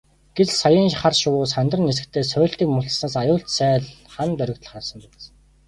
Гэтэл саяын хар шувуу сандран нисэхдээ сойлтыг мулталснаас аюулт сааль хана доргитол харвасан биз.